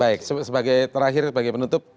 baik sebagai terakhir sebagai penutup